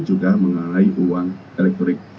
juga mengalami uang elektrik